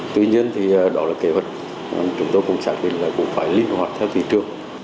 tuy nhiên đó là kế hoạch chúng tôi cũng xảy ra là cũng phải liên hoạt theo thị trường